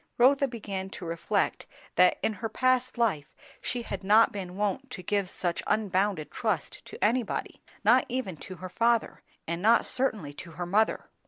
Rotha began to reflect that in her past life she had not been wont to give such unbounded trust to anybody; not even to her father, and not certainly to her mother.